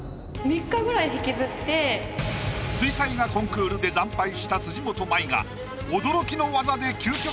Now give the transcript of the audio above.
水彩画コンクールで惨敗した辻元舞が驚きの技で。